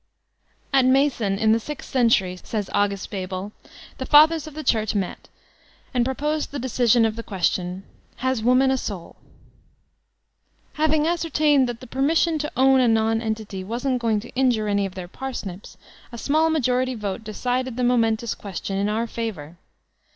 At Macon, in the sixth century, says August Bebel, the fathers of the Church met and proposed the dedsioa of the question, ''Has woman a soul?'' Having ascer tained that the permission to own a nonentity wasn*t going to injure any of their parsnips, a small majority vote decided the momentous question in our favor.